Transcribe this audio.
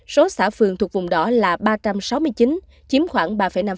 số xã phường thuộc vùng đỏ là ba trăm sáu mươi chín chiếm khoảng ba năm